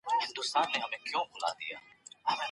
هر فرد په ټولنه کي ارزښت لري.